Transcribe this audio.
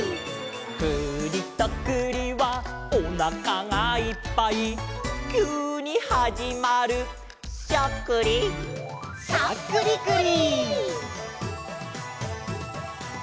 「くりとくりはおなかがいっぱい」「きゅうにはじまるしゃっくり」「しゃっくりくり」